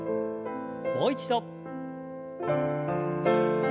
もう一度。